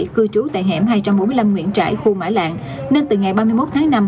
cư trú tại hẻm hai trăm bốn mươi năm nguyễn trãi khu mã lạng nên từ ngày ba mươi một tháng năm